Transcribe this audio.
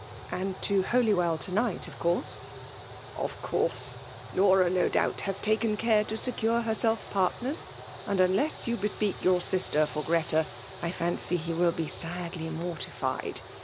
"*" And to Holywell to night, of course ? ''Of course. Laura no doubt has taken care to secure herself partners ; and unless you bespeak your sister for Greta, I fancy he will be sadly mortified.